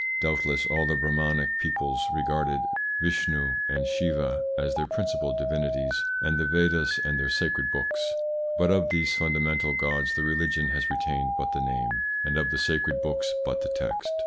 Doubtless all the Brahmanic peoples regard Vishnou and Siva as their principal divinities and the Vedas as their sacred books ; but of these funda mental gods the religion has retained but the name, and of the sacred books but the text.